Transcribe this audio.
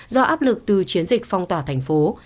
do áp lực từ chiến dịch phong tỏa thành phố